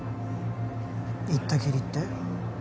行ったきりって？